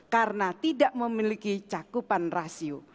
karena tidak memiliki cakupan rasio